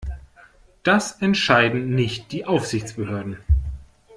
Das entscheiden nicht die Aufsichtsbehörden.